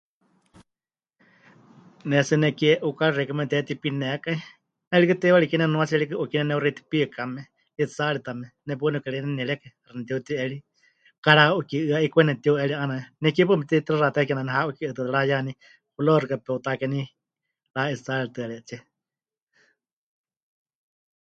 Ne tsɨ nekie 'ukári xeikɨ́a memɨtehetipinekai, 'eena rikɨ teiwari kie nemɨnuatsie rikɨ 'ukí neneuxei tipiikame, 'itsáaritame, ne paɨ nepɨkareyenenierékai, 'axa nepɨtiuti'eri, –kara'uki'ɨa 'ikwai– nepɨtiu'eri 'aana, nekie paɨ mepɨtehetixaxatákai kename ha'uki'iatɨ rayaní hurawa xɨka pe'utakení mɨra'itsaaritɨarietsie.